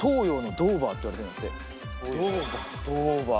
ドーバー？